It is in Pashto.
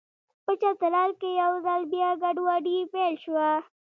په چترال کې یو ځل بیا ګډوډي پیل شوه.